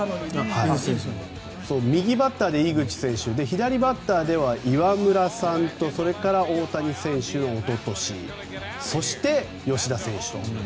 右バッターで井口選手左バッターでは岩村さんとそれから大谷選手のおととしそして吉田選手と。